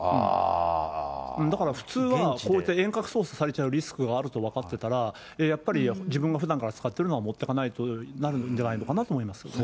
だから普通は、こうして遠隔操作されちゃうリスクがあると分かってたら、やっぱり自分がふだんから使ってるのは持ってかないとなるんじゃないかなと思います。